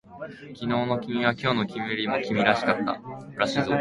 昨日の君は今日の君よりも君らしかった